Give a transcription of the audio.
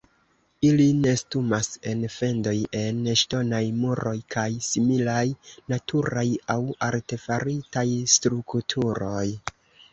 Ili nestumas en fendoj en ŝtonaj muroj kaj similaj naturaj aŭ artefaritaj strukturoj.